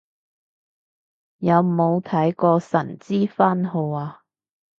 有冇睇過神之番號啊